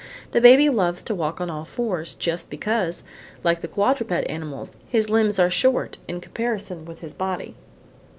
The baby loves to walk on all fours just because, like the quadruped animals, his limbs are short in comparison with his body.